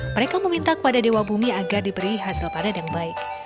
mereka meminta kepada dewa bumi agar diberi hasil panen yang baik